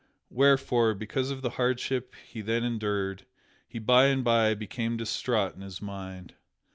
Wherefore, because of the hardship he then endured, he by and by became distraught in his mind.